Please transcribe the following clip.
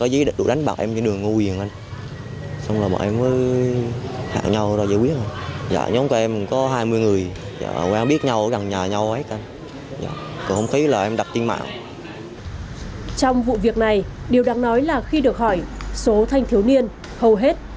trong vụ việc này điều đáng nói là khi được hỏi số thanh thiếu niên hầu hết là hai mươi